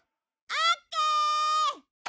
オッケー！